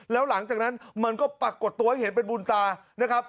แล้วหลังจากนั้นมันก็ปรากฏตัวให้เห็นเป็นบุญตานะครับ